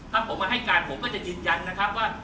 ถ้าผมมาให้การผมก็จะยืนยันนะครับว่า